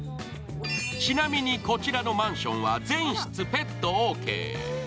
ちなみに、こちらのマンションは全室ペットオーケー。